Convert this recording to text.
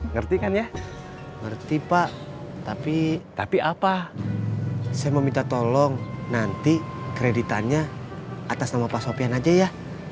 ngerti pak tapi tapi apa saya meminta tolong nanti kreditannya atas nama pak sopian aja ya